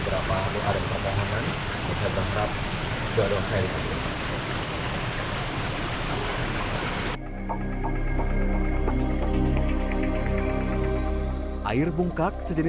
jadi kita juga akan mendapatkan doa dengan penuh keperlangan